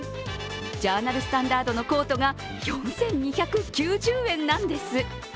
ジャーナルスタンダードのコートが４２９０円なんです。